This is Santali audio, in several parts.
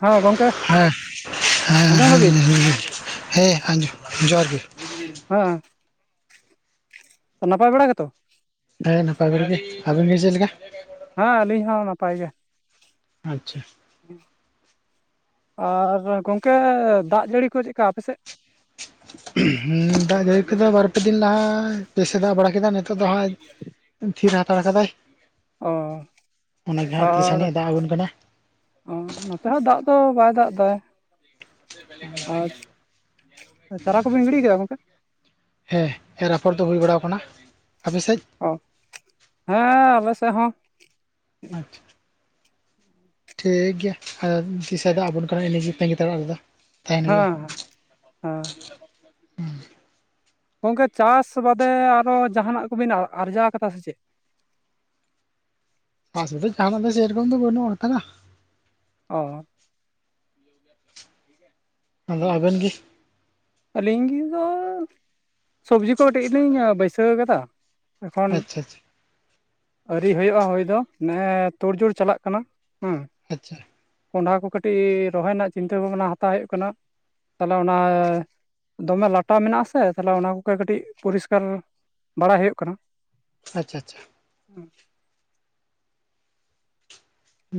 ᱦᱚᱸ ᱜᱚᱝᱠᱮ, ᱦᱮᱸ ᱦᱮᱸ ᱟᱸᱡᱚᱢ ᱫᱟᱵᱤᱱ ᱦᱮᱸ ᱦᱮᱸ ᱟᱸᱡᱚᱢ ᱡᱚᱦᱟᱨ ᱜᱮ, ᱦᱮᱸ ᱱᱟᱯᱟᱭ ᱵᱟᱲᱟ ᱜᱮᱛᱚ? ᱦᱮᱸ ᱱᱟᱯᱟᱭ ᱵᱮᱲᱟ ᱜᱮ, ᱟᱵᱮᱱ ᱜᱮ ᱪᱮᱫ ᱞᱮᱠᱟ? ᱦᱮᱸ ᱟᱹᱞᱤᱧ ᱦᱚᱸ ᱱᱟᱯᱟᱭ ᱜᱮ ᱾ ᱟᱪᱪᱷᱟ ᱟᱨ ᱜᱚᱝᱠᱮ ᱫᱟᱜ ᱡᱟᱹᱲᱤ ᱠᱚ ᱪᱮᱫᱞᱮᱠᱟ ᱟᱯᱮ ᱥᱮᱫ? ᱫᱟᱜ ᱡᱟᱹᱲᱤ ᱠᱚᱫᱚ ᱵᱟᱨᱯᱮ ᱫᱤᱱ ᱞᱟᱦᱟ ᱯᱮᱥᱮᱫᱟ ᱵᱟᱲᱟ ᱠᱮᱫᱟ ᱱᱮ ᱱᱤᱛᱚᱜ ᱫᱚ ᱦᱟᱭᱡ ᱛᱷᱤᱨ ᱦᱟᱛᱟᱲ ᱠᱟᱫᱟᱭ ᱚ ᱾ ᱚᱱᱟ ᱡᱟᱦᱟᱸ ᱟᱨ ᱛᱤᱟᱹᱱᱤᱡ ᱫᱟᱜ ᱟᱵᱚᱱ ᱠᱟᱱᱟ ᱾ ᱚ ᱱᱚᱛᱮ ᱦᱚᱸ ᱫᱟᱜ ᱫᱚ ᱵᱟᱭ ᱫᱟᱜ ᱮᱫᱟ ᱟᱨ ᱪᱟᱨᱟ ᱠᱚᱵᱤᱱ ᱜᱤᱰᱤ ᱠᱮᱫᱟ ᱜᱚᱝᱠᱮ? ᱦᱮᱸ ᱮᱨ ᱟᱯᱷᱚᱨ ᱫᱚ ᱦᱩᱭ ᱵᱟᱲᱟᱣ ᱟᱠᱟᱱᱟ, ᱟᱯᱮᱥᱮᱫ? ᱚ, ᱦᱮᱸ ᱟᱞᱮ ᱥᱮᱫ ᱦᱚᱸ ᱾ ᱟᱪᱪᱷᱟ ᱴᱷᱤᱠ ᱜᱮᱭᱟ ᱛᱤᱥᱮ ᱫᱟᱜ ᱟᱵᱚᱱ ᱠᱟᱱᱟ ᱮᱱᱟ ᱛᱟᱹᱸᱜᱤ ᱛᱟᱲᱟ ᱞᱨᱮᱫᱚ ᱾ ᱦᱮᱸ ᱦᱮᱸ ᱜᱚᱝᱠᱮ ᱪᱟᱥ ᱵᱟᱫᱮ ᱟᱨᱚ ᱡᱟᱦᱟᱱᱟᱜ ᱠᱚᱵᱤᱱ ᱟᱨᱡᱟᱣ ᱠᱟᱫᱟ ᱥᱮ ᱪᱮᱫ? [unintelligible] ᱡᱟᱦᱟᱱᱟᱜ ᱥᱮᱭᱨᱚᱠᱚᱢ ᱫᱟ ᱵᱟᱹᱱᱩᱜ ᱦᱟᱛᱟᱲᱟ ᱾ ᱚ [inaudible] ᱟᱫᱚ ᱟᱵᱮᱱ ᱜᱤ? ᱟᱹᱞᱤᱧᱜᱮ ᱫᱚ ᱥᱚᱵᱽᱡᱤ ᱠᱚ ᱠᱟᱹᱴᱤᱡ ᱞᱤᱧ ᱵᱟᱹᱭᱥᱟᱹᱣ ᱠᱟᱫᱟ ᱾ ᱮᱠᱷᱚᱱ ᱟᱪᱪᱷᱟ ᱟᱪᱪᱷᱟ ᱟᱣᱹᱨᱤ ᱦᱳᱭᱳᱜᱼᱟ ᱦᱳᱭ ᱫᱚ ᱢᱟᱱᱮ ᱛᱳᱲᱡᱳᱲ ᱪᱟᱞᱟᱜ ᱠᱟᱱᱟ ᱦᱩᱸ ᱾ ᱟᱪᱪᱷᱟ ᱠᱚᱸᱰᱷᱟ ᱠᱚ ᱠᱟᱹᱴᱤᱡ ᱨᱚᱦᱚᱭ ᱨᱮᱱᱟᱜ ᱪᱤᱱᱛᱟᱹ ᱵᱷᱟᱵᱱᱟ ᱦᱟᱛᱟᱣ ᱦᱳᱭᱳᱜ ᱠᱟᱱᱟ ᱛᱟᱦᱞᱮ ᱚᱱᱟ ᱫᱚᱢᱮ ᱞᱟᱴᱟ ᱢᱮᱱᱟᱜ ᱥᱮ ᱛᱟᱦᱞᱮ ᱚᱱᱟ ᱠᱚᱜᱮ ᱠᱟᱹᱴᱤᱡ ᱯᱚᱨᱤᱥᱠᱟᱨ ᱵᱟᱲᱟ ᱦᱩᱭᱩᱜ ᱠᱟᱱᱟ ᱾ ᱟᱪᱪᱷᱟ ᱟᱪᱪᱷᱟ ᱪᱷᱟ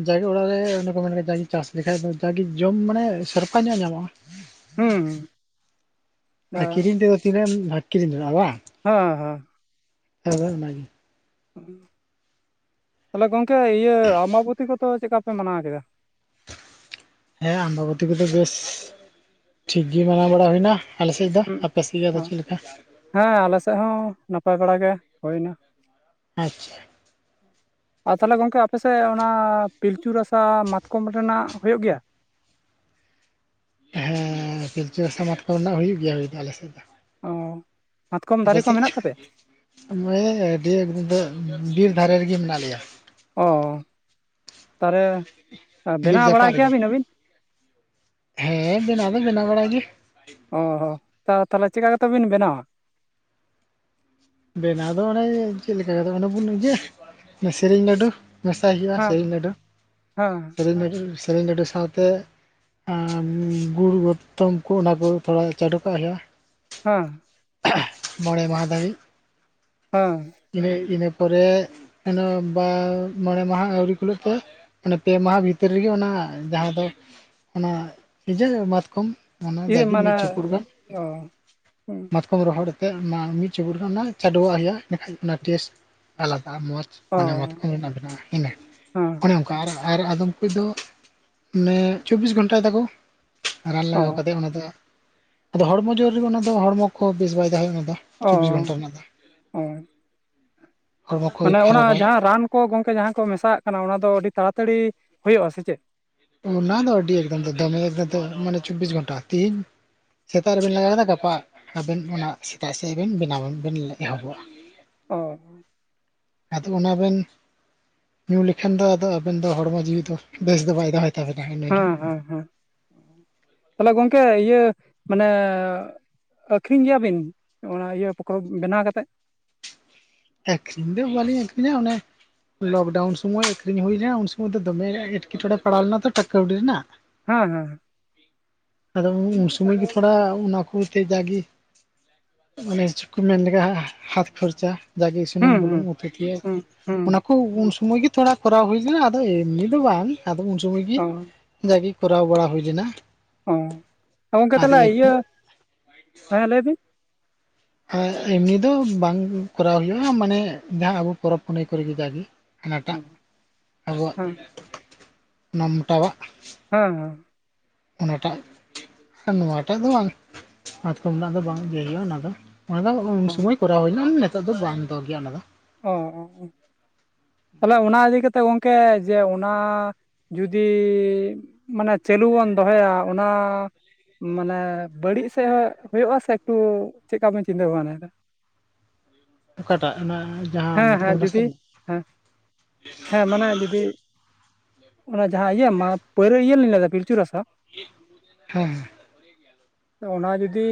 ᱡᱟᱜᱮ ᱚᱲᱟᱜ ᱨᱮ ᱚᱱᱮ ᱠᱚ ᱢᱮᱱᱟ ᱡᱟᱜᱮ ᱪᱟᱥ ᱞᱮᱠᱟᱱᱡ ᱫᱚ ᱡᱟᱜᱮ ᱡᱚᱢ ᱢᱟᱱᱮ ᱥᱮᱨᱯᱟ ᱧᱚᱜ ᱧᱟᱢᱚᱜᱼᱟ ᱾ ᱦᱮᱸ ᱟᱨ ᱠᱤᱨᱤᱧ ᱛᱮᱫᱚ ᱛᱤᱱᱟᱹᱜ ᱮᱢ ᱠᱤᱨᱤᱧ ᱡᱚᱝᱟᱜᱼᱟ ᱵᱟᱝ ᱾ ᱦᱟᱸ ᱦᱟᱸ ᱦᱮᱸ ᱚᱱᱟᱜᱮ ᱾ ᱛᱟᱞᱮ ᱜᱚᱝᱠᱮ ᱤᱭᱟᱹ ᱟᱢᱵᱟᱵᱚᱛᱤ ᱠᱚᱫᱚ ᱪᱮᱫ ᱠᱟ ᱯᱮ ᱢᱟᱱᱟᱣ ᱠᱮᱫᱟ? ᱦᱮᱸ ᱟᱢᱵᱟᱵᱚᱛᱤ ᱠᱚᱫᱚ ᱵᱮᱥ ᱴᱷᱤᱠ ᱜᱮ ᱢᱟᱱᱟᱣ ᱵᱟᱲᱟ ᱦᱩᱭᱱᱟ ᱾ ᱟᱞᱮᱥᱮᱫ ᱫᱚ, ᱦᱩᱸ ᱟᱯᱮ ᱥᱤ ᱜᱮ ᱟᱫᱚ ᱪᱮᱫ ᱞᱮᱠᱟ? ᱦᱮᱸ ᱟᱞᱮ ᱥᱮᱫ ᱦᱚᱸ ᱱᱟᱯᱟᱭ ᱵᱟᱲᱟ ᱜᱮ ᱦᱩᱭ ᱱᱟ ᱾ ᱟᱪᱪᱷᱟ ᱦᱩᱸ [inaudible] ᱟᱨ ᱛᱟᱦᱚᱞᱮ ᱜᱚᱝᱠᱮ ᱟᱯᱮᱥᱮᱫ ᱚᱱᱟ ᱯᱤᱞᱪᱩ ᱨᱟᱥᱟ ᱢᱟᱛᱠᱚᱢ ᱨᱮᱱᱟᱜ ᱦᱳᱭᱳᱜ ᱜᱮᱭᱟ ᱾ ᱦᱮᱸ ᱯᱤᱞᱪᱩ ᱨᱟᱥᱟ ᱢᱟᱛᱠᱚᱢ ᱨᱮᱱᱟᱜ ᱦᱩᱭᱩᱜ ᱜᱮᱭᱟ ᱦᱩᱭ ᱫᱚ ᱟᱞᱮᱥᱮᱫ ᱫᱚ ᱾ ᱚᱻ ᱢᱟᱛᱠᱚᱢ ᱫᱟᱨᱮ ᱠᱚ ᱢᱮᱱᱟᱜ ᱛᱟᱯᱮᱭᱟ? ᱱᱚᱜᱼᱚᱭ ᱟᱹᱰᱤ ᱮᱠᱫᱚᱢ ᱵᱤᱨ ᱫᱷᱟᱨᱮ ᱨᱤᱜᱤ ᱢᱮᱱᱟᱜ ᱞᱮᱭᱟ ᱾ ᱚ, ᱛᱟᱨᱮ ᱵᱤᱨ ᱡᱟᱯᱟᱜ ᱨᱮᱜᱮ, ᱦᱮᱸ ᱵᱮᱱᱟᱣ ᱫᱚ ᱵᱮᱱᱟᱣ ᱵᱟᱲᱟ ᱜᱮ ᱾ ᱚ ᱦᱚᱸ, ᱛᱟ ᱛᱟᱞᱮ ᱪᱮᱠᱟ ᱠᱟᱛᱮ ᱵᱤᱱ ᱵᱮᱱᱟᱣᱟ? ᱵᱮᱱᱟᱣ ᱫᱚ ᱚᱱᱮ ᱪᱮᱫ ᱞᱮᱠᱟ ᱠᱟᱛᱮ ᱚᱱᱮ [unintelligible] ᱥᱮᱨᱮᱧ ᱞᱟᱹᱰᱩ ᱢᱮᱥᱟᱭ ᱦᱩᱭᱩᱜᱼᱟ ᱦᱮᱸ ᱥᱮᱨᱮᱧ ᱞᱟᱹᱰᱩ ᱦᱮᱸ ᱥᱮᱨᱮᱧ ᱞᱟᱹᱰᱩ ᱥᱮᱨᱮᱧ ᱞᱟᱹᱰᱩ ᱥᱟᱶᱛᱮ ᱟᱻᱜᱩᱲ ᱜᱚᱛᱚᱢ ᱠᱚ ᱚᱱᱟ ᱠᱚ ᱛᱷᱚᱲᱟ ᱪᱟᱰᱩ ᱠᱟᱜ ᱦᱩᱭᱩᱜᱼᱟ ᱾ ᱦᱮᱸ ᱢᱚᱸᱬᱮ ᱢᱟᱸᱦᱟ ᱫᱷᱟᱹᱵᱤᱡ ᱾ ᱦᱮᱸ ᱤᱱᱟᱹ ᱤᱱᱟᱹ ᱯᱚᱨᱮ ᱟᱫᱚ ᱢᱚᱸᱬᱮ ᱢᱟᱸᱦᱟ ᱟᱹᱣᱨᱤ ᱠᱩᱞᱟᱹᱜ ᱛᱮ‌ ᱢᱟᱱᱮ ᱯᱮ ᱢᱟᱦᱟ ᱵᱷᱤᱛᱤᱨ ᱨᱤᱜᱮ ᱚᱱᱟ ᱡᱟᱦᱟᱸ ᱫᱚ ᱚᱱᱟ ᱤᱡᱟᱹ ᱢᱟᱛᱠᱚᱢ ᱚᱱᱟ ᱡᱟ ᱜᱤ ᱢᱤᱫ ᱪᱩᱯᱩᱫ ᱜᱟᱱ, ᱚ ᱚ ᱢᱟᱛᱠ ᱠᱚᱢ ᱨᱚᱦᱚᱲ ᱟᱛᱮ ᱚᱱᱟ ᱢᱤᱫ ᱪᱩᱯᱩᱫ ᱜᱟᱱ ᱚᱱᱟ ᱪᱟᱰᱳᱣᱟᱜ ᱦᱩᱭᱩᱜᱼᱟ ᱤᱸᱰᱮᱠᱷᱟᱡ ᱚᱱᱟ ᱴᱮᱥᱴ ᱟᱞᱟᱫᱟ ᱢᱚᱸᱡᱽ ᱢᱟᱱᱮ ᱢᱟᱛᱠᱚᱢ ᱨᱮᱱᱟᱜ ᱵᱮᱱᱟᱜᱼᱟ ᱤᱱᱟᱹ ᱦᱮᱸ ᱾ ᱚᱱᱮ ᱚᱱᱠᱟ ᱟᱨᱟᱜ ᱟᱨ ᱟᱫᱚᱢ ᱠᱩᱡ ᱫᱚ ᱢᱟᱱᱮ ᱪᱚᱵᱽᱵᱤᱥ ᱜᱷᱚᱱᱴᱟᱭ ᱫᱟᱠᱚ ᱾ ᱨᱟᱱ ᱚ ᱞᱟᱜᱟᱣ ᱠᱟᱛᱮᱫ ᱚᱱᱟ ᱫᱚ ᱟᱫᱚ ᱦᱚᱲᱢᱚ ᱡᱳᱨ ᱨᱮᱫᱚ ᱚᱱᱟ ᱫᱚ ᱦᱚᱲᱢᱚ ᱠᱚ ᱵᱮᱥ ᱵᱟᱭ ᱛᱟᱦᱮᱸ ᱚᱱᱟ ᱫᱚ ᱾ ᱚ ᱪᱚᱵᱵᱤᱥ ᱚ ᱜᱷᱚᱱᱴᱟ ᱨᱮᱱᱟᱜ ᱫᱚ ᱾ ᱦᱚᱲᱢᱚ ᱠᱚᱭ ᱢᱟᱱᱮ ᱚᱱᱟ ᱠᱷᱟᱨᱟᱯᱟᱭ ᱡᱟᱦᱟᱸ ᱨᱟᱱ ᱠᱚ ᱜᱚᱝᱠᱮ ᱡᱟᱦᱟᱸ ᱠᱚ ᱢᱮᱥᱟᱣᱟᱜ ᱠᱟᱱᱟ ᱚᱱᱟ ᱫᱚ ᱟᱹᱰᱤ ᱛᱟᱲᱟᱛᱟᱹᱲᱤ ᱦᱩᱭᱩᱜᱼᱟ ᱥᱮ ᱪᱮᱫ? ᱚᱱᱟ ᱫᱚ ᱟᱹᱰᱤ ᱮᱠᱫᱚᱢ ᱫᱚᱢᱮ ᱮᱠᱫᱚᱢ ᱢᱟᱱᱮ ᱪᱚᱵᱽᱵᱤᱥ ᱜᱷᱚᱱᱴᱟ, ᱛᱮᱸᱦᱮᱧ ᱥᱮᱛᱟᱜ ᱨᱮᱵᱮᱱ ᱞᱟᱜᱟᱣ ᱠᱮᱫᱟ ᱜᱟᱯᱟ ᱟᱵᱮᱱ ᱚᱱᱟ ᱥᱮᱛᱟᱜ ᱥᱮᱫ ᱵᱮᱱ ᱵᱮᱱᱟᱣ ᱵᱮᱱ ᱮᱦᱚᱵᱚᱜᱼᱟ ᱾ ᱚ ᱾ ᱟᱫᱚ ᱚᱱᱟ ᱵᱮᱱ ᱧᱩ ᱞᱮᱠᱷᱟᱱ ᱫᱚ ᱟᱫᱚ ᱟᱵᱮᱱ ᱫᱚ ᱦᱚᱲᱢᱚ ᱡᱤᱣᱤ ᱫᱚ ᱵᱮᱥ ᱫᱚ ᱵᱟᱭ ᱫᱚᱦᱚᱭ ᱛᱟᱵᱮᱱᱟ ᱤᱱᱟᱹ ᱜᱤ ᱾ ᱦᱮᱸ ᱦᱮᱸ ᱾ ᱛᱟᱦᱞᱮ ᱜᱚᱝᱠᱮ ᱤᱭᱟᱹ ᱢᱟᱱᱮ ᱟᱹᱠᱷᱨᱤᱧ ᱜᱮᱭᱟᱵᱤᱱ ᱚᱱᱟ ᱤᱭᱟᱹ ᱯᱚᱠᱷᱨᱚ ᱵᱮᱱᱟᱣ ᱠᱟᱛᱮᱫ? ᱮᱠᱷᱨᱤᱧ ᱫᱚ ᱵᱟᱞᱤᱧ ᱮᱠᱷᱟᱨᱤᱧ ᱚᱱᱟᱮ᱾ ᱞᱚᱠᱰᱟᱣᱩᱱ ᱥᱩᱚᱢᱚᱭ ᱟᱠᱷᱨᱤᱧ ᱦᱩᱭ ᱞᱮᱱᱟ, ᱩᱱ ᱥᱚᱢᱚᱭ ᱫᱚ ᱫᱚᱢᱮ ᱮᱴᱠᱮᱴᱚᱬᱮ ᱯᱟᱲᱟᱣ ᱞᱮᱱᱟ ᱛᱚ ᱴᱟ ᱠᱟᱹᱣᱰᱤ ᱨᱮᱱᱟᱜ᱾ ᱦᱮᱸ ᱦᱮᱸ ᱟᱫᱚ ᱩᱱ ᱥᱳᱢᱟᱹᱭ ᱜᱮ ᱛᱷᱚᱲᱟ ᱚᱱ ᱚᱠᱚᱱᱛᱮ ᱡᱟᱜᱮ᱾ ᱟᱱᱮᱡᱷᱩ ᱠᱚ ᱢᱮᱱ ᱞᱮᱠᱟ ᱦᱟᱛ ᱠᱷᱚᱨᱪᱟ ᱡᱟᱜᱮ ᱥᱩᱱᱩᱢ ᱦᱩᱸ ᱵᱩᱞᱩᱝ ᱦᱩᱸ ᱩᱛᱩ ᱛᱮ ᱠᱚ ᱦᱩᱸ ᱚᱱᱟ᱾ ᱩᱱ ᱥᱚᱢᱚᱭ ᱜᱮ ᱛᱷᱚᱲᱟ ᱠᱚᱨᱟᱣ ᱦᱩᱭ ᱞᱮᱱᱟ, ᱟᱫᱚ ᱮᱢᱱᱤ ᱫᱚ ᱵᱟᱝ ᱟᱫᱚ ᱩᱱ ᱥᱚᱢᱚᱭ ᱜᱮ᱾ ᱦᱩᱸ ᱡᱟᱜᱮ ᱠᱚᱨᱟᱣ ᱵᱟᱲᱟ ᱦᱩᱭ ᱞᱮᱱᱟ᱾ ᱚ ᱜᱚᱝᱠᱮ ᱟᱫᱚ ᱛᱟᱦᱚᱞᱮ ᱤᱭᱟᱹ ᱦᱮᱸ ᱞᱟᱹᱭ ᱵᱤᱱ᱾ ᱮᱢᱱᱤ ᱫᱚ ᱵᱟᱝ ᱠᱚᱨᱟᱣ ᱦᱩᱭᱩᱜᱼᱟ ᱢᱟᱱᱮ ᱡᱟᱸᱦᱟ ᱟᱵᱚ ᱯᱚᱨᱚᱵᱽ ᱯᱩᱱᱟᱹᱭ ᱠᱚᱨᱮ ᱡᱟᱜᱮ᱾ ᱚ, ᱦᱟᱱᱟᱴᱟᱜ ᱟᱵᱚᱣᱟᱜ ᱦᱮᱸ ᱢᱚᱴᱟᱣᱟᱜ᱾ ᱦᱮᱸ ᱦᱮᱸ ᱚᱱᱟᱴᱟᱜ ᱟᱨ ᱱᱚᱣᱟᱴᱟᱜ ᱫᱚ ᱵᱟᱝ ᱢᱟᱛᱠᱚᱢ ᱨᱮᱱᱟᱜ ᱫᱚ ᱵᱟᱝ ᱤᱭᱟᱹ ᱦᱩᱭᱩᱜᱼᱟ ᱚᱱᱟ ᱫᱚ᱾ ᱚᱱᱟ ᱫᱚ ᱚ ᱩᱱ ᱥᱩᱢᱟᱹᱭ ᱠᱚᱨᱟᱣ ᱦᱩᱭᱱᱟ ᱱᱤᱛᱚᱜ ᱫᱚ ᱵᱟᱢ ᱫᱚᱦᱚ ᱜᱮᱭᱟ ᱚᱱᱟ ᱫᱚ᱾ ᱚᱻᱚ ᱛᱟᱦᱚᱞᱮ ᱚᱱᱟ ᱤᱫᱤ ᱠᱟᱛᱮᱜ ᱜᱚᱢᱠᱮ ᱡᱮ ᱚᱱᱟ᱾ ᱡᱩᱫᱤ ᱢᱟᱱᱮ ᱪᱟᱹᱞᱩ ᱵᱚᱱ ᱫᱚᱦᱚᱭᱟ ᱚᱱᱟ᱾ ᱢᱟᱱᱮ ᱵᱟᱹᱲᱤᱡ ᱥᱮᱡ ᱦᱚᱸ ᱦᱩᱭᱩᱜᱭᱜᱼᱟ ᱥᱮ ᱮᱠᱴᱩ, ᱪᱮᱫᱠᱟ ᱵᱚᱱ ᱪᱤᱱᱛᱟᱹ ᱵᱷᱟᱵᱽ ᱱᱟᱭᱮᱫᱟ? ᱚᱠᱟᱴᱟᱜ ᱚᱱᱟ? ᱡᱟᱦᱟᱸ ᱦᱮᱸ ᱢᱟᱛᱠᱚᱢ ᱦᱮᱸ ᱨᱮᱱᱟᱜ ᱡᱩᱫᱤ ᱥᱟᱠᱟᱢ ᱦᱮᱸ ᱦᱮᱸ ᱢᱟᱱᱮ ᱡᱩᱫᱤ᱾ ᱚᱱᱟ ᱡᱟᱸᱦᱟ ᱤᱭᱟᱹ ᱢᱟ ᱯᱟᱹᱭᱨᱟᱹ ᱤᱭᱟᱹ ᱞᱤᱧ ᱞᱟᱹᱭᱟ ᱯᱤᱞᱪᱩ ᱨᱟᱥᱟ᱾ ᱦᱮᱸ [unintelligible] ᱚᱱᱟ ᱡᱩᱫᱤ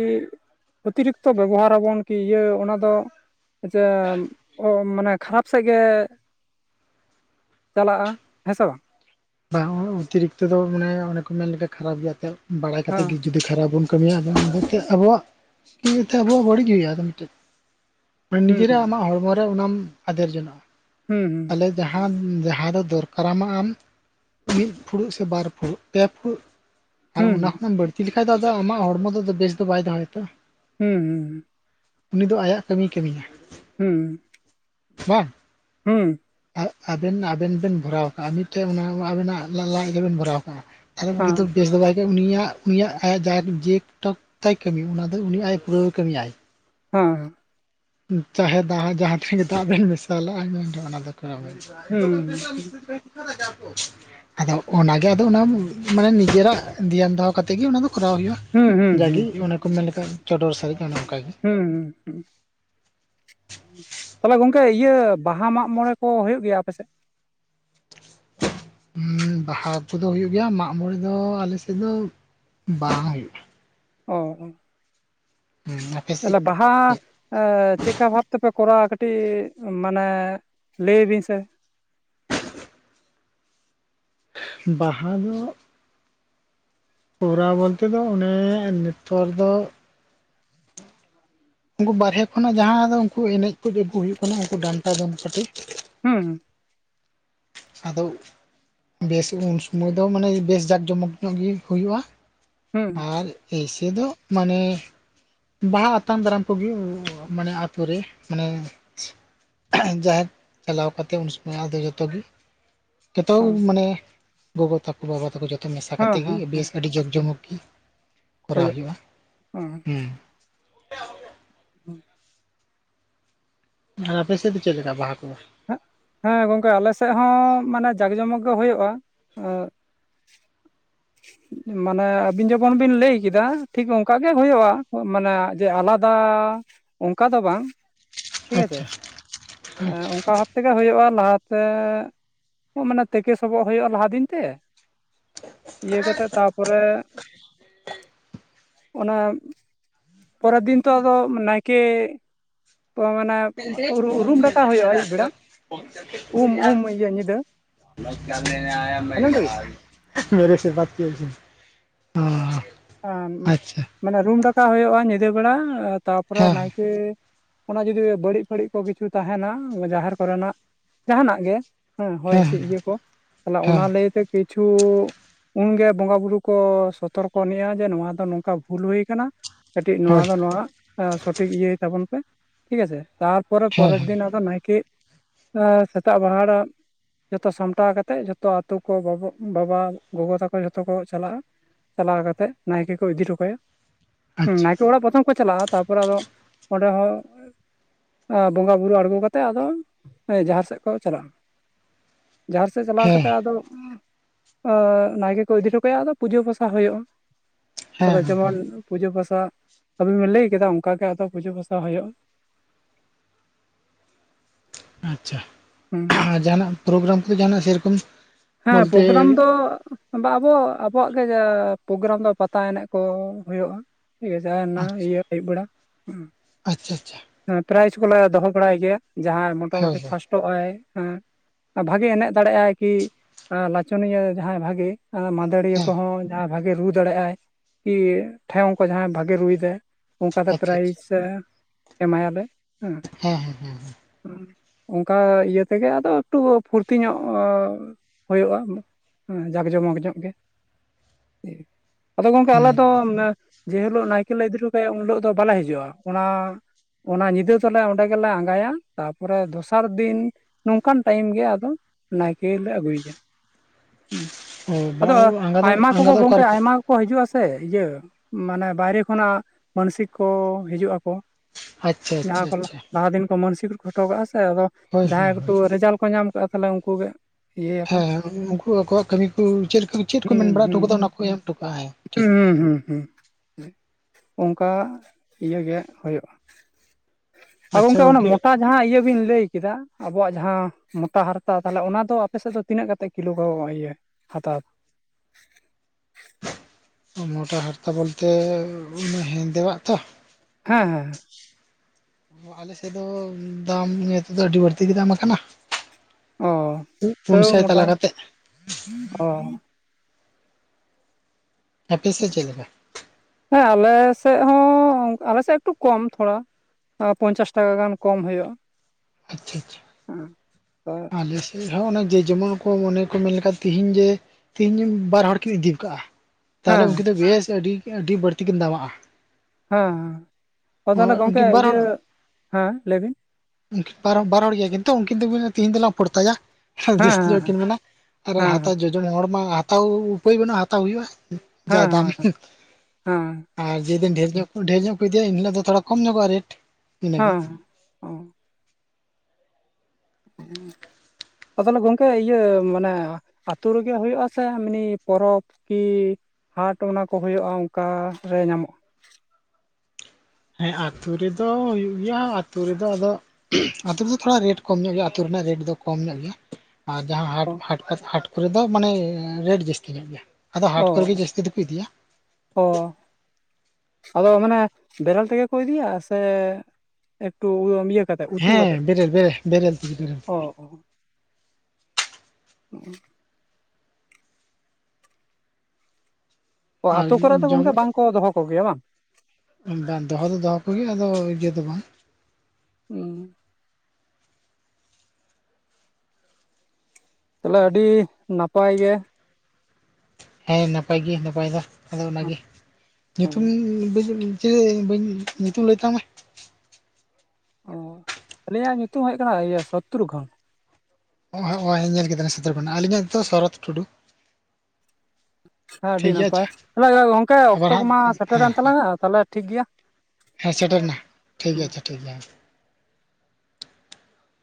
ᱚᱛᱤᱨᱤᱠᱛᱚ ᱵᱮᱵᱚᱦᱟᱨ ᱟᱵᱚᱱ ᱠᱤ ᱤᱭᱟᱹ ᱚᱱᱟ ᱫᱚ᱾ ᱟᱪᱪᱷᱟᱢ [unintelligible] ᱢᱟᱱᱮ ᱠᱷᱟᱨᱟᱯ ᱥᱮᱫ ᱜᱮ ᱪᱟᱞᱟᱜᱼᱟ, ᱦᱮᱸ ᱥᱮ ᱵᱟᱝ ᱾ ᱵᱟᱝ ᱦᱚ ᱚᱛᱤᱨᱤᱠᱛᱚ ᱫᱚ ᱢᱟᱱᱮ ᱚᱱᱮ ᱠᱚ ᱢᱮᱱ ᱞᱮᱠᱟᱟᱱ ᱠᱷᱟᱨᱟᱯ ᱜᱮᱭᱟ ᱮᱛᱮᱝ ᱵᱟᱲᱟᱭ ᱠᱟᱛᱮ ᱜᱮ ᱦᱮᱸ ᱡᱩᱫᱤ᱾ ᱠᱷᱟᱨᱟᱯ ᱵᱚᱱ ᱠᱟᱹᱢᱤᱭᱟᱛᱮ ᱟᱵᱚᱣᱟᱜ ᱟᱵᱚᱣᱟᱜ ᱵᱟᱹᱲᱤᱡ ᱜᱮ ᱦᱩᱭᱩᱜᱼᱟ, ᱟᱫᱚ ᱢᱤᱫᱴᱮᱡ᱾ ᱦᱩᱸ ᱱᱤᱡᱮᱨᱟᱜ ᱟᱢᱟᱜ ᱦᱚᱲᱢᱚᱨᱮ ᱚᱱᱟᱢ ᱟᱫᱮᱨ ᱡᱚᱱᱟᱜᱼᱟ᱾ ᱦᱩᱸ ᱦᱩᱸ ᱟᱞᱮ ᱡᱟᱦᱟᱸ ᱡᱟᱦᱟᱸ ᱫᱚ ᱫᱚᱨᱠᱟᱨᱟᱢᱟ ᱟᱢ᱾ ᱢᱤᱫ ᱯᱷᱩᱲᱩᱜ ᱥᱮ ᱵᱟᱨ ᱯᱷᱩᱲᱩᱜ ᱯᱮ ᱯᱷᱩᱲᱩᱜ ᱟᱨ ᱚᱱᱟ ᱦᱩᱸ ᱠᱷᱚᱝ ᱵᱟᱹᱲ ᱛᱤ ᱞᱮᱠᱷᱟᱡ ᱫᱚ ᱟᱫᱚ ᱟᱢᱟᱜ ᱦᱚᱲᱢᱚ ᱫᱚ ᱵᱮᱥ ᱫᱚ ᱵᱟᱭ ᱫᱚᱦᱚᱭᱟ ᱛᱚ᱾ ᱦᱩᱸ ᱦᱩᱸ ᱦᱩᱸ ᱩᱱᱤ ᱫᱚ ᱟᱭᱟᱜ ᱠᱟᱹᱢᱤᱭ ᱠᱟᱹᱢᱤᱭᱟ ᱦᱩᱸ ᱵᱟᱝ᱾ ᱦᱩᱸ ᱟᱵᱮᱱ ᱟᱵᱮᱱ ᱵᱮᱱ ᱵᱷᱚᱨᱟᱣ ᱟᱠᱟᱟᱜᱼᱟ, ᱢᱤᱫᱴᱮᱱ ᱟᱵᱮᱱᱟᱜ ᱞᱟᱡ ᱨᱮᱵᱮᱱ ᱵᱷᱚᱨᱟᱣ ᱟᱠᱟᱟᱜᱼᱟ᱾ ᱛᱷᱟᱦᱞᱮ ᱩᱱᱤ ᱦᱮᱸ ᱫᱚ ᱵᱮᱥ ᱫᱚ ᱵᱟᱭ᱾ ᱩᱱᱤᱭᱟᱜ ᱩᱱᱤᱭᱟᱜ ᱟᱭᱟᱜ ᱡᱟᱸᱦᱟ ᱡᱮᱴᱚᱠ ᱛᱟᱭ ᱠᱟᱹᱢᱤ ᱚᱱᱟ ᱫᱚ ᱩᱱ ᱟᱡ ᱯᱩᱨᱟᱹᱣ ᱠᱟᱹᱢᱤᱭᱟᱭ᱾ ᱦᱮᱸ ᱮᱸ ᱪᱟᱦᱮ ᱫᱟᱦᱟ ᱡᱟᱸᱦᱟ ᱴᱷᱮᱱ ᱜᱮ ᱫᱟᱜ ᱵᱮᱱ ᱢᱮᱥᱟᱞᱟᱜᱼᱟ ᱦᱩᱸ [inaudible] [unintelligible] [unintelligible] ᱟᱫᱚ ᱚᱱᱟᱜᱮ ᱟᱫᱚ ᱚᱱᱟ ᱢᱟᱱᱮ ᱱᱤᱡᱮᱨᱟᱜ ᱫᱷᱮᱭᱟᱱ ᱫᱚᱦᱚ ᱠᱟᱛᱮ ᱜᱮ ᱚᱱᱟ ᱫᱚ ᱠᱚᱨᱟᱣ ᱦᱩᱭᱩᱜᱼᱟ᱾ ᱦᱩᱸ ᱦᱩᱸ ᱦᱩᱸ ᱡᱟᱜᱮ ᱚᱱᱟ ᱠᱚ ᱢᱮᱱ ᱞᱮᱠᱷᱟᱱᱡ ᱪᱚᱰᱚᱨ ᱥᱟᱹᱨᱤᱡ ᱮ ᱚᱱᱠᱟᱜᱮ᱾ ᱦᱩᱸ ᱦᱩᱸ ᱦᱩᱸ ᱛᱟᱦᱚᱞᱮ ᱜᱚᱝᱠᱮ ᱤᱭᱟᱹ ᱵᱟᱸᱦᱟ ᱢᱟᱜ ᱢᱚᱬᱮ ᱠᱚ ᱦᱩᱭᱩᱜ ᱜᱮᱭᱟ ᱟᱯᱮ ᱥᱮᱫ? ᱦᱮᱸ ᱵᱟᱦᱟ ᱠᱚᱫᱚ ᱦᱩᱭᱩᱜ ᱜᱮᱭᱟ ᱢᱟᱜ ᱢᱚᱬᱮ ᱫᱚ ᱟᱞᱮ ᱥᱮᱫ ᱫᱚ᱾ ᱵᱟᱝ ᱦᱩᱭᱩᱜ ᱚᱻᱚ ᱦᱩᱸ ᱟᱯᱮ ᱥᱮᱫ ᱛᱟᱞᱮ ᱵᱟ ᱦᱟᱸ ᱦᱟᱸ ᱪᱮᱫ ᱞᱮᱠᱟ ᱵᱷᱟᱵ ᱛᱮᱯᱮ ᱠᱚᱨᱟᱣᱟ ᱠᱟᱹᱴᱤᱡ ᱢᱟᱱᱮ ᱞᱟᱹᱭ ᱵᱤᱱ ᱥᱮ? ᱵᱟᱦᱟ ᱫᱚ ᱠᱚᱨᱟᱣ ᱵᱚᱞᱛᱮ ᱫᱚ ᱚᱱᱮ ᱱᱤᱛᱳᱨ‌ ᱫᱚ ᱩᱱᱠᱩ ᱵᱟᱨᱦᱮ ᱠᱷᱚᱱᱟᱜ ᱡᱟᱦᱟᱸ ᱫᱚ ᱩᱱᱠᱩ ᱮᱱᱮᱡ ᱠᱩᱡ ᱟᱹᱜᱩ ᱦᱩᱭᱩᱜ ᱠᱟᱱᱟ ᱩᱱᱠᱩ ᱰᱟᱱᱴᱟ ᱫᱚᱱ ᱯᱟᱴᱤ ᱾ ᱦᱩᱸ ᱾ ᱟᱫᱚ ᱵᱮᱥ ᱩᱱ ᱥᱩᱢᱟᱹᱭ ᱫᱚ ᱢᱟᱱᱮ ᱵᱮᱥ ᱡᱟᱠ ᱡᱚᱢᱚᱠ ᱧᱚᱜ ᱜᱮ ᱦᱩᱭᱩᱜᱼᱟ ᱾ ᱦᱩᱸ ᱟᱨ ᱮᱭᱥᱮ ᱫᱚ ᱢᱟᱱᱮ ᱵᱟᱦᱟ ᱟᱛᱟᱝ ᱫᱟᱨᱟᱢ ᱠᱚᱜᱮ ᱢᱟᱱᱮ ᱟᱛᱩ ᱨᱮ ᱢᱟᱱᱮ ᱡᱟᱦᱮᱨ ᱪᱟᱞᱟᱣ ᱠᱟᱛᱮᱫ ᱩᱱ ᱥᱚᱢᱚᱭ ᱟᱫᱚ ᱡᱚᱛᱚ ᱜᱮ ᱾ ᱡᱚᱛᱚ ᱦᱩᱸ ᱢᱟᱱᱮ ᱜᱚᱜᱚ ᱛᱟᱠᱚ ᱵᱟᱵᱟ ᱛᱟᱠᱚ ᱡᱚᱛ ᱡᱚᱛᱚ ᱢᱮᱥᱟ ᱦᱮᱸ ᱠᱟᱛᱮ ᱜᱮ ᱦᱮᱸ ᱦᱮᱸ ᱵᱮᱥ ᱟᱹᱰᱤ ᱡᱟᱠ ᱡᱚᱢᱚᱠ ᱜᱮ ᱠᱚᱨᱟᱣ ᱦᱩᱭᱩᱜᱼᱟ ᱦᱩᱸ ᱾ ᱦᱩᱸ ᱾ ᱟᱨ ᱟᱯᱮ ᱥᱮᱫ ᱫᱚ ᱪᱮᱫ ᱞᱮᱠᱟ ᱵᱟᱦᱟ ᱠᱚᱢᱟ ᱾ ᱦᱮᱸ ᱜᱚᱝᱠᱮ ᱟᱞᱮ ᱥᱮᱫ ᱦᱚᱸ ᱢᱟᱱᱮ ᱡᱟᱠ ᱡᱚᱢᱚᱠ ᱜᱮ ᱦᱳᱭᱳᱜᱼᱟ ᱾ ᱢᱟᱱᱮ ᱟᱹᱵᱤᱱ ᱡᱚᱢᱚᱱ ᱵᱤᱱ ᱞᱟᱹᱭ ᱠᱮᱫᱟ ᱴᱷᱤᱠ ᱚᱱᱠᱟᱜ ᱜᱮ ᱦᱩᱭᱩᱜᱼᱟ, ᱢᱟᱱᱮ ᱡᱮ ᱟᱞᱟᱫᱟ ᱚᱱᱠᱟ ᱫᱚ ᱵᱟᱝ ᱴᱷᱤᱠ ᱟᱪᱷᱮ, ᱟᱪᱪᱷᱟ ᱮᱸ ᱚᱱᱠᱟ ᱵᱷᱟᱵ ᱛᱮᱜᱮ ᱦᱩᱭᱩᱜᱼᱟ ᱞᱟᱦᱟᱛᱮ ᱢᱟᱱᱮ ᱛᱮᱠᱮ ᱥᱚᱵᱚᱜ ᱦᱩᱭᱩᱜᱼᱟ ᱞᱟᱦᱟ ᱫᱤᱱᱛᱮ ᱾ ᱤᱭᱟᱹ ᱠᱟᱛᱮᱜ ᱛᱟᱨᱯᱚᱨᱮ ᱚᱱᱟ ᱯᱚᱨᱮ ᱫᱤᱱ ᱛᱚ ᱟᱫᱚ ᱱᱟᱭᱠᱮ ᱚ ᱢᱟᱱᱮ ᱨᱩᱢ ᱰᱟᱠᱟᱣ ᱦᱩᱭᱩᱜᱼᱟ ᱟᱹᱭᱩᱵ ᱵᱮᱲᱟ ᱩᱢ ᱩᱢ ᱤᱭᱟᱹ ᱧᱤᱫᱟᱹ ᱾ [unintelligible] [inaudible] ᱢᱮᱨᱮ ᱥᱮ ᱵᱟᱫ ᱠᱤᱭᱟ [unintelligible] ᱦᱩᱸᱻ ᱠᱷᱟᱱ ᱢᱟᱱᱮ ᱨᱩᱢ ᱰᱟᱠᱟᱣ ᱦᱩᱭᱩᱜᱼᱟ ᱧᱤᱫᱟᱹ ᱵᱮᱲᱟ ᱛᱟᱯᱚᱨᱮ ᱱᱟᱭ ᱠᱮ ᱚᱱᱟ ᱡᱩᱫᱤ ᱵᱟᱹᱲᱤᱡ ᱯᱟᱹᱲᱤᱡ ᱠᱚ ᱠᱤᱪᱷᱩ ᱛᱟᱦᱮᱱᱟ ᱡᱟᱦᱮᱨ ᱠᱚᱨᱮᱱᱟᱜ ᱡᱟᱦᱟᱱᱟᱜ ᱜᱮ ᱦᱮᱸ ᱦᱚᱭ ᱦᱤᱥᱤᱫ ᱤᱭᱟᱹ ᱠᱚ ᱛᱟᱦᱚᱞᱮ ᱚᱱᱟ ᱞᱟᱹᱭᱛᱮ ᱠᱤᱪᱷᱩ ᱩᱱᱜᱮ ᱵᱚᱸᱜᱟ ᱵᱩᱨᱩ ᱠᱚ ᱥᱚᱛᱚᱨ ᱠᱚ ᱟᱱᱤᱡ ᱟ ᱡᱮ ᱱᱚᱣᱟ ᱫᱚ ᱱᱚᱝᱠᱟ ᱵᱷᱩᱞ ᱦᱩᱭ ᱠᱟᱱᱟ ᱠᱟᱹᱴᱤᱡ ᱱᱚᱣᱟ ᱫᱚ ᱱᱚᱣᱟ ᱥᱚᱴᱷᱤᱠ ᱤᱭᱟᱹᱭ ᱛᱟᱵᱚᱱ ᱯᱮ ᱴᱷᱤᱠ ᱟᱪᱷᱮ ᱾ ᱛᱟᱨᱯᱚᱨᱮ ᱯᱚᱨᱮᱨ ᱫᱤᱱ ᱟᱫᱚ ᱱᱟᱭᱠᱮ ᱥᱮᱛᱟᱜ ᱵᱟᱦᱟᱲᱟᱜ ᱡᱚᱛᱚ ᱥᱟᱢᱴᱟᱣ ᱠᱟᱛᱮ ᱡᱚᱛᱚ ᱟᱛᱳ ᱠᱚ ᱵᱟᱵᱚ ᱵᱟᱵᱟ ᱜᱚᱜᱚ ᱛᱟᱠᱚ ᱡᱷᱚᱛᱚ ᱠᱚ ᱪᱟᱞᱟᱜᱼᱟ ᱾ ᱪᱟᱞᱟᱣ ᱠᱟᱛᱮ ᱱᱟᱭᱠᱮ ᱠᱚ ᱤᱫᱤ ᱦᱚᱴᱚ ᱠᱟᱭᱟᱸ ᱾ ᱱᱟᱭᱠᱮ ᱚᱲᱟᱜ ᱯᱨᱚᱛᱷᱚᱢ ᱠᱚ ᱪᱟᱞᱟᱜᱼᱟ ᱛᱟᱯᱚᱨᱮ ᱟᱫᱚ ᱚᱸᱰᱮ ᱦᱚᱸ ᱵᱚᱸᱜᱟ ᱵᱩᱨᱩ ᱟᱲᱜᱚ ᱠᱟᱛᱮᱫ ᱟᱫᱚ ᱡᱟᱦᱮᱨ ᱥᱮᱫ ᱠᱚ ᱪᱟᱞᱟᱜᱼᱟ ᱾ ᱡᱟᱦᱮᱨ ᱥᱮᱫ ᱪᱟᱞᱟᱣ ᱠᱟᱛᱮᱫ ᱟᱫᱚ ᱮᱸ ᱱᱟᱭᱠᱮ ᱠᱚ ᱤᱫᱤ ᱦᱚᱴᱚ ᱠᱟᱭᱟ ᱟᱫᱚ ᱯᱩᱡᱟᱹ ᱯᱟᱥ ᱥᱟ ᱦᱩᱭᱩᱜᱼᱟ ᱟᱫᱚ ᱡᱮᱢᱚᱱ, ᱯᱩᱡᱟᱹ ᱯᱟᱥᱟ ᱟᱵᱤᱱ ᱵᱮᱱ ᱞᱟᱹᱭ ᱠᱮᱫᱟ ᱚᱱᱠᱟ ᱜᱮ ᱟᱫᱚ ᱯᱩᱡᱟᱹ ᱯᱟᱥᱟ ᱦᱩᱭᱩᱜᱼᱟ᱾ ᱟᱪᱪᱷᱟ᱾ ᱦᱩᱸ, ᱟᱨ ᱡᱟᱦᱟᱱᱟᱜ ᱯᱨᱳᱜᱨᱟᱢ ᱠᱚ ᱡᱟᱦᱟᱱᱟᱜ ᱥᱮᱨᱚᱠᱚᱢ, ᱦᱮᱸ ᱯᱨᱳᱜᱨᱟᱢ ᱫᱚ, ᱵᱟ ᱟᱵᱚ ᱟᱵᱚᱣᱟᱜ ᱜᱮ ᱡᱟ ᱯᱨᱳᱜᱨᱟᱢ ᱫᱚ ᱯᱟᱛᱟ ᱮᱱᱮᱜ ᱠᱚ ᱦᱩᱭᱩᱜᱼᱟ᱾ ᱴᱷᱤᱠ ᱟᱪᱮ ᱚᱱᱟ ᱤᱭᱟᱹ ᱟᱭᱩᱵ ᱵᱮᱲᱟ, ᱟᱪᱪᱷᱟ ᱪᱪᱷᱟ᱾ ᱮ ᱯᱨᱟᱭᱤᱡᱽ ᱠᱚᱞᱮ ᱫᱚᱦᱚ ᱵᱟᱲᱟᱭ ᱜᱮᱭᱟ ᱡᱟᱦᱟᱸᱭ ᱢᱚᱴᱟᱢᱩᱴᱤ ᱯᱷᱟᱥᱴ ᱯᱷᱴᱚᱜᱼ ᱟᱭ ᱦᱮᱸ ᱵᱷᱟᱜᱮ ᱮᱱᱮᱜ ᱫᱟᱲᱮᱭᱟᱜᱼ ᱟᱭ ᱠᱤ ᱞᱟᱪᱚᱱᱤᱭᱟᱹ ᱡᱟᱦᱟᱸᱭ ᱵᱷᱟᱜᱮ, ᱢᱟᱫᱟᱹᱲᱤᱭᱟᱹ ᱠᱚᱦᱚᱸ ᱡᱟᱦᱟᱸᱭ ᱵᱷᱟᱜᱮ ᱨᱩ ᱫᱟᱲᱮᱭᱟᱜᱼ ᱟᱭ ᱠᱤ ᱴᱷᱮᱭᱚᱝ ᱠᱚ ᱡᱟᱦᱟᱸᱭ ᱵᱷᱟᱜᱮ ᱨᱩᱭᱫᱟᱭ᱾ ᱚᱱᱠᱟᱛᱮ ᱯᱨᱟᱭᱤᱡᱽ ᱥᱮ ᱮᱢᱟᱭᱟᱞᱮ᱾ ᱦᱮᱸ ᱦᱮᱸ ᱦᱮᱸ᱾ ᱚᱱᱠᱟ ᱤᱭᱟᱹ ᱛᱮᱜᱮ ᱟᱫᱚ ᱮᱠᱴᱩ ᱯᱷᱩᱨᱛᱤ ᱧᱚᱜ, ᱦᱩᱭᱩᱜᱼᱟ ᱡᱟᱠ ᱡᱚᱢᱚᱠ ᱧᱚᱜ ᱜᱮ᱾ ᱟᱫᱚ ᱜᱚᱝᱠᱮ ᱟᱞᱮ ᱫᱚ ᱢᱟᱱᱮ ᱡᱮᱦᱤᱞᱳᱜ ᱱᱟᱭᱠᱮ ᱞᱮ ᱤᱫᱤ ᱦᱚᱴᱚ ᱠᱟᱭᱟ ᱩᱱ ᱦᱤᱞᱳᱜ ᱫᱚ ᱵᱟᱞᱮ ᱦᱤᱡᱩᱜᱼᱟ ᱚᱱᱟ, ᱚᱱᱟ ᱧᱤᱫᱟᱹ ᱫᱚᱞᱮ ᱚᱸᱰᱮ ᱜᱮᱞᱮ ᱟᱸᱜᱟᱭᱟ ᱛᱟᱯᱚᱨᱮ ᱫᱚᱥᱟᱨ ᱫᱤᱱ, ᱱᱚᱝᱠᱟᱱ ᱴᱟᱭᱤᱢ ᱜᱮ ᱟᱫᱚ ᱱᱟᱭᱠᱮ ᱞᱮ ᱟᱹᱜᱩᱭᱜᱮᱭᱟ᱾ ᱦᱩᱸ ᱟᱫᱚ ᱟᱭᱢᱟ ᱠᱚᱠᱚ ᱜᱚᱝᱠᱮ ᱟᱭᱢᱟ, ᱠᱚ ᱦᱤᱡᱩᱜᱼᱟ ᱥᱮ ᱤᱭᱟᱹ ᱢᱟᱱᱮ ᱵᱟᱭᱨᱮ ᱠᱷᱚᱱᱟᱜ ᱢᱟᱹᱱᱥᱤᱠ ᱠᱚ ᱦᱤᱡᱩᱜ ᱟᱠᱚ᱾ ᱡᱟᱦᱟᱸ ᱠᱚᱞᱟ ᱞᱟᱦᱟ ᱫᱤᱱ ᱠᱚ ᱢᱟᱹᱱᱚᱥᱤᱠ ᱠᱚ ᱦᱚᱴᱚ ᱠᱟᱜᱼᱟ ᱥᱮ ᱟᱫᱚ ᱡᱟᱦᱟᱸᱭ ᱮᱠᱴᱩ ᱨᱮᱡᱟᱞᱴ ᱠᱚ ᱧᱟᱢ, ᱛᱟᱦᱚᱞᱮ ᱩᱱᱠᱩ ᱜᱮ, ᱤᱭᱟᱹᱭᱟᱠᱚ ᱦᱮᱸ ᱦᱮᱸ ᱩᱱᱠᱩ ᱟᱠᱚᱣᱟᱜ ᱠᱟᱹᱢᱤ ᱠᱚ ᱪᱮᱫᱞᱮᱠᱟ ᱪᱮᱫᱠᱚ ᱢᱮᱱ ᱦᱩᱸ ᱵᱟᱲᱟ ᱦᱚᱴᱚ ᱦᱩᱸ ᱠᱟᱫᱟ ᱚᱱᱟ ᱠᱚ ᱮᱢᱴᱚ ᱠᱟᱜᱼᱟ ᱦᱮᱸ ᱴᱷᱤᱠ᱾ ᱦᱩᱸ ᱦᱩᱸ ᱦᱩᱸ᱾ ᱚᱱᱠᱟ ᱤᱭᱟᱹ ᱜᱮ ᱦᱩᱭᱩᱜᱼᱟ᱾ ᱟᱫᱚ ᱟᱪᱪᱷᱟ ᱚᱱᱠᱟ ᱚᱱᱟ ᱜᱚᱝᱠᱮ ᱢᱚᱴᱟ ᱡᱟᱦᱟᱸ ᱤᱭᱟᱹ ᱵᱤᱱ ᱞᱟᱹᱭ ᱠᱮᱫᱟ, ᱟᱵᱚᱣᱟᱜ ᱡᱟᱦᱟᱸ ᱢᱚᱛᱟ ᱦᱟᱨᱛᱟ ᱛᱟᱦᱚᱞᱮ ᱚᱱᱟ ᱫᱚ ᱟᱯᱮᱥᱮᱫ ᱫᱚ ᱛᱤᱱᱟᱹᱜ ᱠᱟᱛᱮᱫ ᱠᱤᱞᱳ ᱠᱚ ᱤᱭᱟᱹ ᱦᱟᱛᱟᱣ ᱫᱟ᱾ ᱢᱚᱴᱟ ᱦᱟᱨᱛᱟ ᱵᱚᱞᱛᱮ ᱩᱱᱟᱹ ᱦᱮᱸᱫᱮᱣᱟᱜ ᱛᱚ᱾ ᱦᱮᱸ ᱦᱮᱸ ᱦᱮᱸ᱾ ᱟᱞᱮ ᱥᱮᱫ ᱫᱚ ᱫᱟᱢ ᱱᱤᱛᱚᱜ ᱫᱚ ᱟᱹᱰᱤ ᱵᱟᱹᱲᱛᱤ ᱜᱮ ᱫᱟᱢ ᱟᱠᱟᱱᱟ᱾ ᱚ ᱯᱩᱱ ᱥᱟᱭ ᱛᱟᱞᱟ ᱠᱟᱛᱮᱜ᱾ ᱚᱸ ᱟᱯᱮ ᱥᱮᱜ ᱪᱮᱜ ᱞᱮᱠᱟ? ᱦᱮᱸ ᱟᱞᱮ ᱥᱮᱜ ᱦᱚᱸ ᱟᱞᱮᱥᱮᱫ ᱮᱠᱴᱩ ᱠᱚᱢ ᱛᱷᱚᱲᱟ᱾ ᱯᱚᱧᱪᱟᱥ ᱴᱟᱠᱟ ᱜᱟᱱ ᱠᱚᱢ ᱦᱩᱭᱩᱜᱼᱟ᱾ ᱟᱪᱪᱷᱟ ᱪᱷᱟ᱾ ᱦᱮᱸ ᱛᱚ, ᱟᱞᱮᱥᱮᱜ ᱦᱚᱸ ᱚᱱᱮ ᱡᱮᱢᱚᱱ ᱠᱚ ᱢᱚᱱᱮ ᱠᱚ ᱢᱮᱱᱞᱠᱷᱟ ᱛᱤᱦᱤᱧ ᱡᱮ, ᱛᱮᱧᱤᱢ ᱵᱟᱨ ᱦᱚᱲ ᱠᱤᱱ ᱤᱫᱤ ᱟᱠᱟᱜᱼᱟ᱾ ᱛᱟᱦᱚᱞᱮ ᱦᱮᱸ ᱩᱱᱠᱤᱱ ᱫᱚ ᱵᱮᱥ ᱟᱹᱰᱤ ᱟᱹᱰᱤ ᱵᱟᱹᱲᱛᱤ ᱠᱤᱱ ᱫᱟᱢᱟᱜᱼᱟ᱾ ᱦᱮᱸ ᱦᱮᱸ ᱚ ᱛᱟᱦᱚᱞᱮ ᱜᱚᱝᱠᱮ ᱩᱱᱠᱤᱱ ᱵᱟᱨ ᱦᱚᱲ ᱤᱭᱟᱹ ᱦᱮᱸ ᱞᱟᱹᱭ ᱵᱤᱱ? ᱩᱱᱠᱤᱱ ᱯᱟᱨᱳᱢ ᱵᱟᱨ ᱦᱚᱲ ᱜᱮᱭᱟ ᱠᱤᱱ ᱛᱚ ᱩᱱᱠᱤᱱ ᱫᱚ ᱛᱮᱦᱤᱧ ᱫᱚᱞᱟᱝ ᱯᱚᱲᱛᱟᱭᱟ᱾ ᱦᱮᱸ ᱡᱟᱹᱥᱛᱤ ᱧᱚᱜ ᱠᱤᱱ ᱢᱮᱱᱟ ᱟᱨ ᱦᱮᱸ ᱦᱮᱸ ᱦᱟᱛᱟᱣ ᱡᱚᱡᱚᱢ ᱦᱚᱲᱢᱟ ᱦᱟᱛᱟᱣ ᱩᱯᱟᱹᱭ ᱵᱟᱹᱱᱩᱜᱼᱟ ᱦᱟᱛᱟᱣ ᱦᱩᱭᱩᱜᱼᱟ᱾ ᱡᱟ ᱫᱟᱢ᱾ ᱦᱮᱸ ᱦᱮᱸ ᱟᱨ ᱡᱮᱫᱤᱱ ᱰᱷᱮᱨ ᱧᱚᱜ ᱰᱷᱮᱨ ᱧᱚᱜ ᱠᱚ ᱤᱫᱤᱭᱟ ᱮᱱᱦᱤᱞᱳᱜ ᱫᱚ ᱛᱷᱚᱲᱟ ᱠᱚᱢ ᱧᱚᱜᱼᱟ ᱨᱮᱹᱴ ᱤᱱᱟᱹᱜᱮ᱾ ᱦᱮᱸ ᱦᱮᱸ ᱛᱟᱦᱚᱞᱮ ᱜᱚᱝᱠᱮ ᱤᱭᱟᱹ ᱢᱟᱱᱮ, ᱟᱹᱛᱩ ᱨᱮᱜᱮ ᱦᱩᱭᱩᱜ-ᱟ ᱥᱮ ᱮᱢᱱᱤ ᱯᱚᱨᱚᱵᱽ ᱠᱤ, ᱦᱟᱴ ᱚᱱᱟ ᱠᱚ ᱦᱩᱭᱩᱜᱼᱟ ᱚᱱᱠᱟ ᱨᱮ ᱧᱟᱢᱚᱜᱼᱟ᱾ ᱦᱮᱸᱟᱛᱳ ᱨᱮᱫᱚ ᱦᱩᱭᱩᱜ ᱜᱮᱭᱟ ᱟᱛᱳ ᱨᱮᱫᱚ ᱟᱫᱚ, ᱟᱹᱛᱳ ᱨᱮᱫᱚ ᱛᱷᱚᱲᱟ ᱨᱮᱴ ᱠᱚᱢ ᱧᱚᱜ ᱜᱮᱭᱟ, ᱟᱹᱛᱩ ᱨᱮᱭᱟᱜ ᱨᱮᱴ ᱫᱚ ᱠᱚᱢ ᱧᱚᱜ ᱜᱮᱭᱟ᱾ ᱟᱨ ᱡᱟᱦᱟᱸ ᱦᱟᱴ ᱦᱟᱴ ᱠᱚᱨᱮ ᱫᱚ ᱢᱟᱱᱮ ᱨᱮᱴ ᱡᱟᱹᱥᱛᱤ ᱧᱚᱜ ᱜᱮᱭᱟ᱾ ᱟᱫᱚ ᱚ ᱦᱟᱴ ᱠᱚᱨᱮ ᱜᱮ ᱡᱟᱹᱥᱛᱤ ᱫᱚᱠᱚ ᱤᱫᱤᱭᱟ᱾ ᱚ [unintelligible] ᱟᱫᱚ ᱢᱟᱱᱮ ᱵᱮᱨᱮᱞ ᱛᱮᱜᱮ ᱠᱚ ᱤᱫᱤᱭᱟ ᱥᱮ ᱮᱠᱴᱩ ᱤᱭᱟᱹ ᱠᱟᱛᱮ ᱩᱛᱩ ᱦᱮᱸ ᱠᱟᱛᱮᱫ ᱵᱮᱨᱮᱞ ᱵᱮᱨᱮᱞ ᱵᱮᱨᱮᱞ ᱛᱮᱜᱮ ᱵᱮᱨᱮᱞ ᱛᱮᱜᱮ ᱚ [inaudible] ᱦ ᱚ ᱟᱨ ᱟᱛᱳ ᱠᱚᱨᱮ ᱫᱚ ᱜᱚᱝᱠᱮ ᱵᱟᱝ ᱠᱚ ᱫᱚᱦᱚ ᱠᱚᱜᱮᱭᱟ ᱵᱟᱝ ᱚᱱᱠᱟ ᱫᱚᱦᱚ ᱫᱚ ᱫᱚᱦᱚ ᱠᱚ ᱦᱩᱭᱩᱜ-ᱟ ᱟᱫᱚ ᱤᱭᱟᱹ ᱫᱚ ᱵᱟᱝ ᱦᱸ [unintelligible] ᱛᱟᱦᱚᱞᱮ ᱟᱹᱰᱤ ᱱᱟᱯᱟᱭ ᱜᱮ ᱦᱮᱸ ᱱᱟᱯᱟᱭ ᱜᱮ ᱱᱟᱯᱟᱭ ᱫᱚ, ᱟᱫᱚ ᱚᱱᱟᱜᱮ ᱧᱩᱛᱩᱢ ᱦᱮᱸ ᱵᱟ. ᱪᱮᱫ ᱵᱟᱹᱧ [unintelligible] ᱧᱩᱛᱩᱢ ᱞᱟ. ᱭ ᱛᱟᱞᱟᱝ ᱢᱮ ᱚ ᱟᱹᱞᱤᱧᱟᱜ ᱧᱩᱛᱩᱢ ᱦᱩᱭᱩᱜ ᱠᱟᱱᱟ ᱤᱭᱟᱹ ᱥᱚᱛᱨᱩᱜᱷᱚᱱ ᱧᱮᱞ ᱠᱮᱫᱟᱞᱤᱧ ᱥᱚᱛᱨᱩᱜᱷᱚᱱ ᱟᱹᱞᱤᱧ ᱟᱜ ᱫᱚ ᱥᱚᱨᱚᱛ ᱴᱩᱰᱩ᱾ ᱮ ᱟᱹᱰᱤ ᱴᱷᱤᱠ ᱜᱮᱭᱟ ᱱᱟᱯᱟᱭ ᱟᱪᱪᱷᱟ ᱛᱟᱦᱮ ᱜᱚᱝᱠᱮ ᱟᱵᱟᱨ ᱚᱠᱛᱚ ᱦᱟᱸᱜ ᱠᱚᱢᱟ ᱥᱮᱴᱨᱮ ᱮᱱ ᱦᱮᱸ ᱛᱟᱞᱟᱝᱼᱟ ᱛᱟᱦᱚᱞᱮ ᱴᱷᱤᱠ ᱜᱮᱭᱟ᱾ ᱦᱮᱸ ᱥᱮᱴᱮᱨ ᱮᱱᱟ ᱴᱷᱤᱠ ᱜᱮ ᱟᱪᱷᱟ ᱴᱷᱤᱠ ᱜᱮᱭᱟ ᱦᱮᱸ᱾